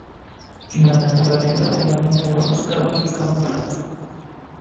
En la naturaleza se dan numerosos casos de camuflaje.